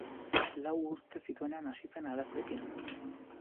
Lau urte zituenean hasi zen arazoekin.